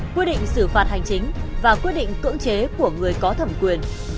quy định xử phạt hành chính và quyết định cưỡng chế của người có thẩm quyền